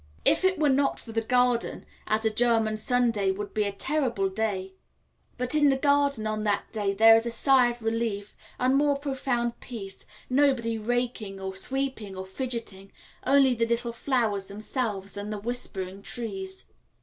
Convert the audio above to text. If it were not for the garden, a German Sunday would be a terrible day; but in the garden on that day there is a sigh of relief and more profound peace, nobody raking or sweeping or fidgeting; only the little flowers themselves and the whispering trees.